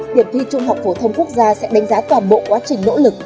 điểm thi trung học phổ thông quốc gia sẽ đánh giá toàn bộ quá trình nỗ lực